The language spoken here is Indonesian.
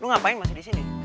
lo ngapain masih disini